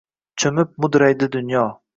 Choʼmib mudraydi dunyo.